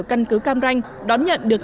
căn cứ cam ranh đón nhận được